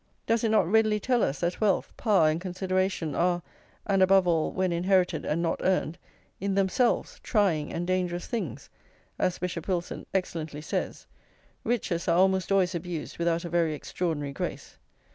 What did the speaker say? Does it not readily tell us that wealth, power, and consideration are, and above all when inherited and not earned, in themselves trying and dangerous things? as Bishop Wilson excellently says: "Riches are almost always abused without a very extraordinary grace."